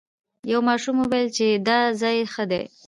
یو ماشوم وویل چې دا ځای ښه دی.